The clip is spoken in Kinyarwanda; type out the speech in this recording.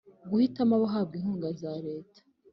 guhitamo abahabwa inkunga za Leta